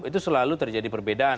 itu selalu terjadi perbedaan